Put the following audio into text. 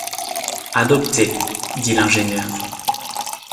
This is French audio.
Adopté, dit l’ingénieur